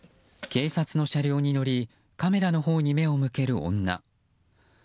警察の車両に乗りカメラのほうに目を向ける女。